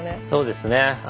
そうですね。